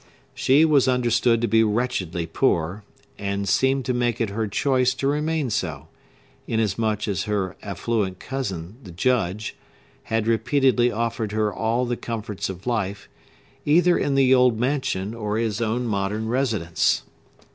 She was understood to be wretchedly poor, and seemed to make it her choice to remain so; inasmuch as her affluent cousin, the Judge, had repeatedly offered her all the comforts of life, either in the old mansion or his own modern residence.